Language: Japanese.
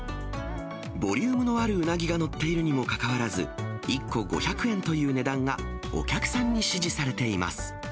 ボリュームのあるうなぎが載っているにもかかわらず、１個５００円という値段が、お客さんに支持されています。